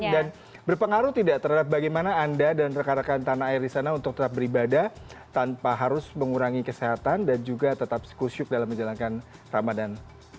dan berpengaruh tidak terhadap bagaimana anda dan rekan rekan tanah air di sana untuk tetap beribadah tanpa harus mengurangi kesehatan dan juga tetap sekusyuk dalam menjalankan ramadhan